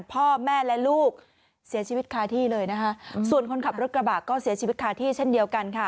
พ่อแม่และลูกเสียชีวิตคาที่เลยนะคะส่วนคนขับรถกระบะก็เสียชีวิตคาที่เช่นเดียวกันค่ะ